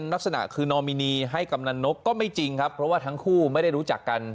ลักษณะคือนอมินีให้กำนันนกก็ไม่จริงครับเพราะว่าทั้งคู่ไม่ได้รู้จักกัน